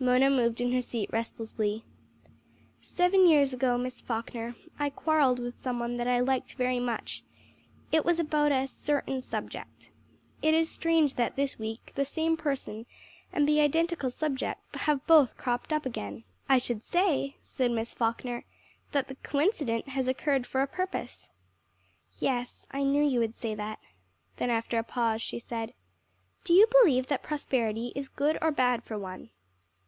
Mona moved in her seat restlessly. "Seven years ago, Miss Falkner, I quarrelled with some one that I liked very much. It was about a certain subject. It is strange that this week the same person and the identical subject have both cropped up again." "I should say," said Miss Falkner, "that the coincident has occurred for a purpose." "Yes, I knew you would say that." Then after a pause she said "Do you believe that prosperity is good or bad for one?"